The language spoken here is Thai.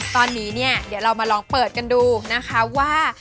ตอนนี้เนี่ยเดี๋ยวเรามาลองเปิดกันดูนะคะว่า